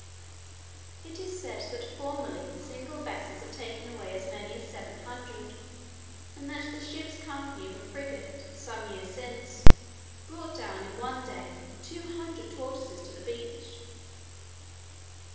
It is said that formerly single vessels have taken away as many as seven hundred, and that the ship's company of a frigate some years since brought down in one day two hundred tortoises to the beach.